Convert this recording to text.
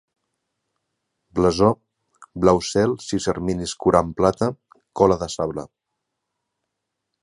Blasó: blau cel, sis erminis courant plata, cola de sable.